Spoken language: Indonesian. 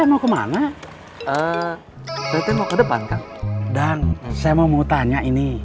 nanti pebli makan basuh aja